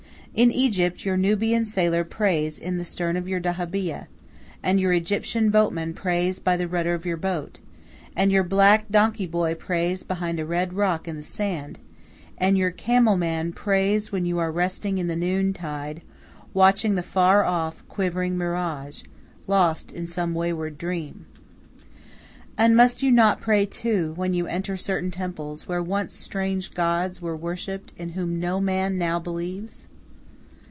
In Egypt your Nubian sailor prays in the stern of your dahabiyeh; and your Egyptian boatman prays by the rudder of your boat; and your black donkey boy prays behind a red rock in the sand; and your camel man prays when you are resting in the noontide, watching the far off quivering mirage, lost in some wayward dream. And must you not pray, too, when you enter certain temples where once strange gods were worshipped in whom no man now believes?